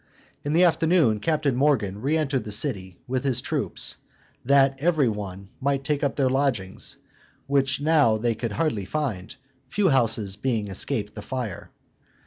In the afternoon Captain Morgan reëntered the city with his troops, that every one might take up their lodgings, which now they could hardly find, few houses having escaped the fire.